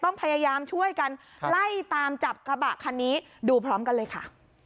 ต้องพยายามช่วยกันไล่ตามจับกระบะคันนี้ดูพร้อมกันเลยค่ะ